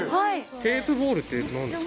テープボールってなんですか？